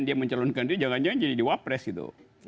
dia mencalonkan dia jangan jangan jadi di wapres gitu